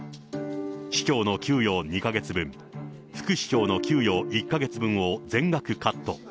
市長の給与２か月分、副市長の給与１か月分を全額カット。